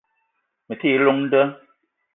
Me te yi llong nda